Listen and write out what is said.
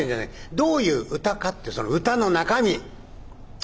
どういう歌かってその歌の中身」。